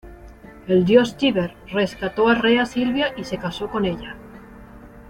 El dios Tíber rescató a Rea Silvia y se casó con ella.